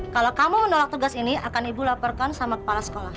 kalau kamu menolak tugas ini akan ibu laporkan sama kepala sekolah